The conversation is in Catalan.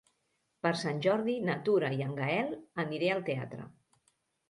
Per Sant Jordi na Tura i en Gaël aniré al teatre.